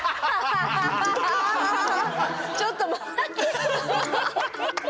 ちょっと待って！